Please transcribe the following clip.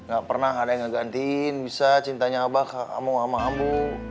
gak pernah ada yang gantiin bisa cintanya abang sama ambu